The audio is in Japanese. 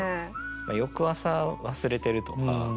翌朝忘れてるとか。